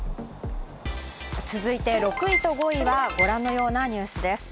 続いて６位と５位はご覧のようなニュースです。